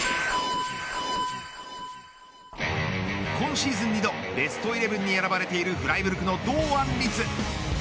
今シーズン２度ベストイレブンに選ばれているフライブルクの堂安律。